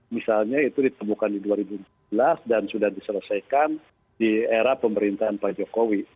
misalnya itu ditemukan di dua ribu empat belas dan sudah diselesaikan di era pemerintahan pak jokowi